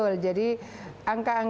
prediknya tujuh belas jutaan